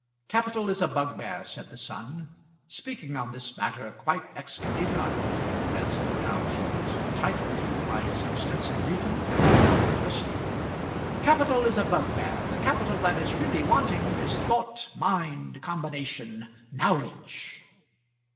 "Capital is a bugbear," said the son, speaking on this matter quite ex cathedrâ, as no doubt he was entitled to do by his extensive reading at a German university "capital is a bugbear. The capital that is really wanting is thought, mind, combination, knowledge."